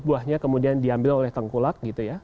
buahnya kemudian diambil oleh tengkulak